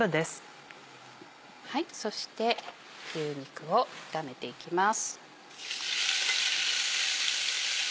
そして牛肉を炒めていきます。